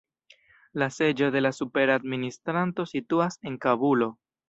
La seĝo de la supera administranto situas en Kabulo.